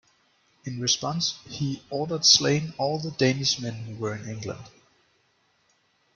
In response, he "ordered slain all the Danish men who were in England".